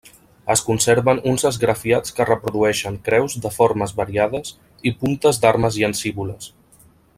Es conserven uns esgrafiats que reprodueixen creus de formes variades i puntes d'armes llancívoles.